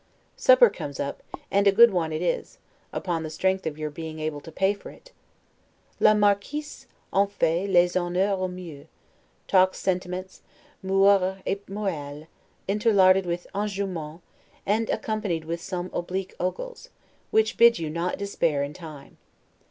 Supper comes up, and a good one it is, upon the strength of your being able to pay for it. 'La Marquise en fait les honneurs au mieux, talks sentiments, 'moeurs et morale', interlarded with 'enjouement', and accompanied with some oblique ogles, which bid you not despair in time.